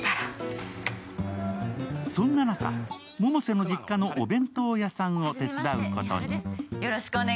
そんな中、百瀬の実家のお弁当屋さんを手伝うことに。